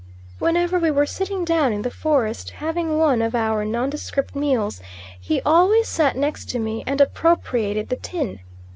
Whenever we were sitting down in the forest having one of our nondescript meals, he always sat next to me and appropriated the tin.